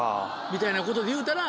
みたいなことでいうたら。